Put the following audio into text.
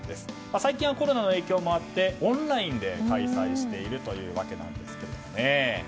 最近はコロナの影響もあってオンラインで開催しているというわけです。